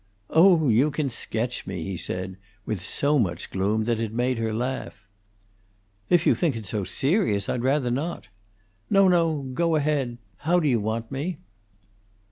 "Oh, you can sketch me," he said, with so much gloom that it made her laugh. "If you think it's so serious, I'd rather not." "No, no! Go ahead! How do you want me?"